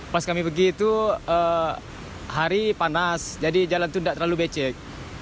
pas kami pergi itu hari panas jadi jalan itu tidak terlalu becek